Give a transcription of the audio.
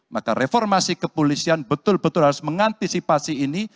maka reformasi kepolisian betul betul harus mengantisipasi ini